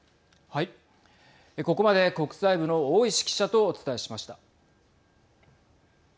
ここまで国際部の大石記者とお伝えしました。